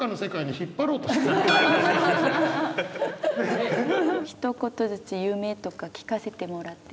ひと言ずつ夢とか聞かせてもらってもいいですか？